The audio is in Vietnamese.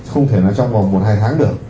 không thể nó trong vòng một hai tháng được